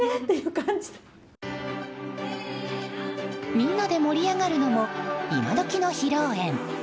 みんなで盛り上がるのも今どきの披露宴。